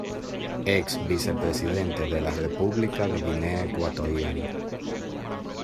Ex Vicepresidente de la República de Guinea Ecuatorial.